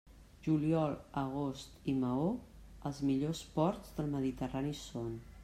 Juliol, agost i Maó, els millors ports del Mediterrani són.